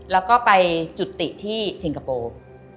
แล้วก็ไปจุติที่สิงคโปร์